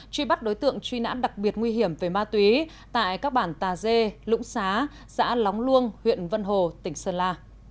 truy bắt đối tượng truy nãn đặc biệt nguy hiểm về ma túy tại các bản tà dê lũng xá xã lóng luông huyện vân hồ tỉnh sơn la